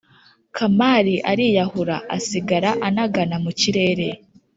Kamari ariyahura asigara anagana mu kirere.